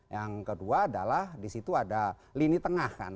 yang kedua adalah di situ ada lini tengah kan